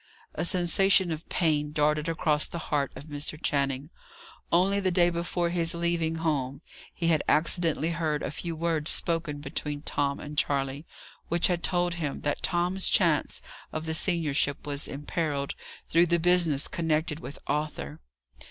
A sensation of pain darted across the heart of Mr. Channing. Only the day before his leaving home, he had accidentally heard a few words spoken between Tom and Charley, which had told him that Tom's chance of the seniorship was emperilled through the business connected with Arthur.